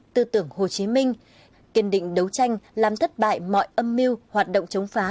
tư tưởng hồ chí minh kiên định đấu tranh làm thất bại mọi âm mưu hoạt động chống phá